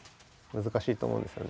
難しいと思うんですよね。